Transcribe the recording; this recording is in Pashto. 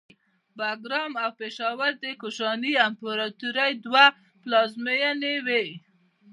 باګرام او پیښور د کوشاني امپراتورۍ دوه پلازمینې وې